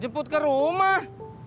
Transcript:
jemput ke rumah